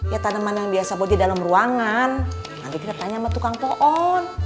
ya taneman yang biasa bodi dalam ruangan nanti kita tanya sama tukang pohon